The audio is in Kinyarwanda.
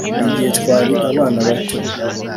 igihe twari abana bato